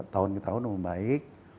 tahun ke tahun membaik